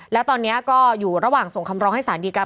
แล้วตอนนี้ก็อยู่ระหว่างส่งคำร้องให้สารดีการ